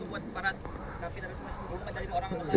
hukumnya buat mereka apa pak